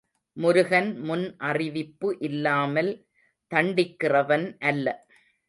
முருகன் முன் அறிவிப்பு இல்லாமல் தண்டிக்கிறவன் அல்ல.